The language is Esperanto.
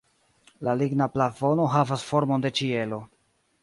La ligna plafono havas formon de ĉielo.